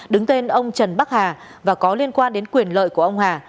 đứng tên ông trần bắc hà và có liên quan đến quyền lợi của ông hà